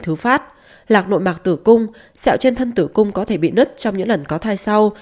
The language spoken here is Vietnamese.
thứ phát lạc nội mạc tử cung xẹo trên thân tử cung có thể bị nứt trong những lần có thai sau